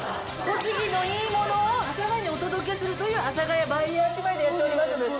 栃木のいいものを阿佐ヶ谷にお届けするという阿佐ヶ谷バイヤー姉妹でやっておりますので。